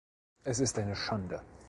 Es ist eine Schande.